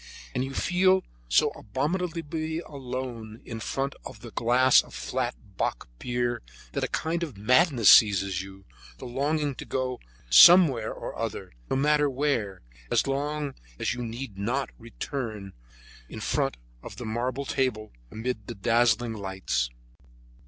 Then you feel so abominably lonely sitting in front of the glass of flat bock beer that a kind of madness seizes you, the longing to go somewhere or other, no matter where, as long as you need not remain in front of that marble table amid those dazzling lights.